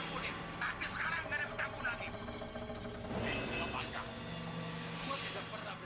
gue tidak pernah bersilap silap dengan janji